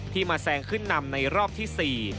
มาแซงขึ้นนำในรอบที่๔